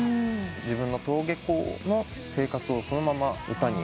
自分の登下校の生活をそのまま歌にした曲。